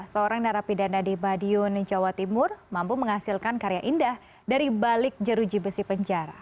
seorang narapidana di madiun jawa timur mampu menghasilkan karya indah dari balik jeruji besi penjara